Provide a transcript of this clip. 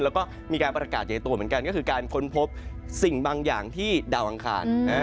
แล้วก็มีการประกาศใหญ่ตัวเหมือนกันก็คือการค้นพบสิ่งบางอย่างที่ดาวอังคาร